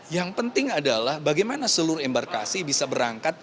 yang penting adalah bagaimana seluruh embarkasi bisa berangkat